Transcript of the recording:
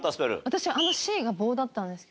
私あの「ｃ」が棒だったんですよ。